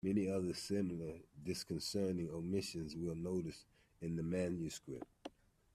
Many other similar disconcerting omissions will be noticed in the Manuscript.